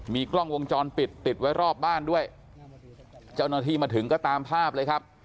มีกล้องวงจรปิดติดไว้รอบบ้านด้วยเจ้าหน้าที่มาถึงก็ตามภาพเลยครับ